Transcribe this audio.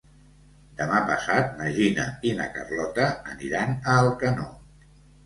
Demà passat na Gina i na Carlota aniran a Alcanó.